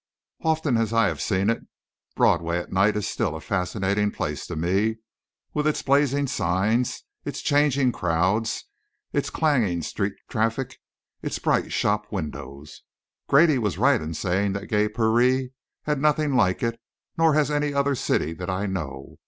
Often as I have seen it, Broadway at night is still a fascinating place to me, with its blazing signs, its changing crowds, its clanging street traffic, its bright shop windows. Grady was right in saying that "gay Paree" had nothing like it; nor has any other city that I know.